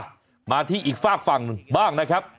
มาที่อีกฝากฝั่งหนึ่งบ้างนะครับ